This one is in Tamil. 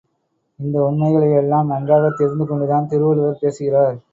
இந்த உண்மைகளையெல்லாம் நன்றாகத் தெரிந்து கொண்டுதான் திருவள்ளுவர் பேசுகிறார்.